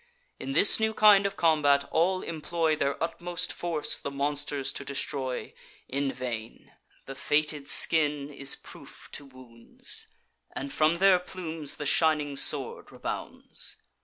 In this new kind of combat all employ Their utmost force, the monsters to destroy. In vain, the fated skin is proof to wounds; And from their plumes the shining sword rebounds.